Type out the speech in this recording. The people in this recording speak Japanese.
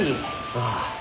ああ。